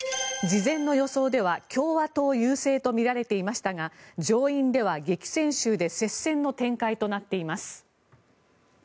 事前の予想では共和党優勢とみられていましたが上院では激戦州で接戦の展開となっています。